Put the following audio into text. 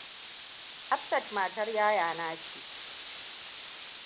Hafsat matar yayana ce.